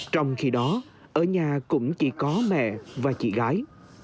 trong khi đó ở nhà cũng chỉ có mẹ và chị gái